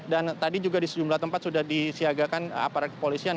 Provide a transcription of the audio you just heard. dan tadi juga di sejumlah tempat sudah disiagakan aparat kepolisian